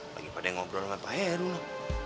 waduh bagaimana ngobrol sama pak heru lho